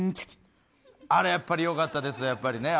あれはやっぱりよかったですね。